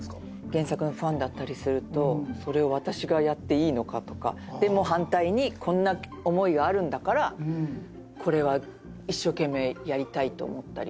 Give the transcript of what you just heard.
原作のファンだったりするとそれを私がやっていいのか？とかでも反対にこんな思いがあるんだからこれは一生懸命やりたいと思ったり。